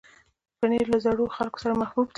پنېر له زړو خلکو سره محبوب دی.